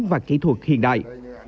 và kỹ thuật hiện đại